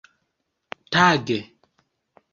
tage